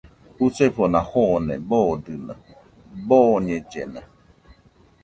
Jusefona jone boodɨno, dooñellena.